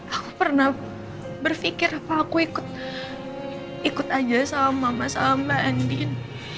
aku pernah berpikir apa aku ikut aja sama mama sama mbak endin